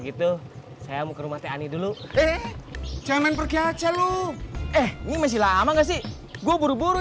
gitu saya mau ke rumah t ani dulu eh jangan pergi aja lu eh ini masih lama enggak sih gua buru buru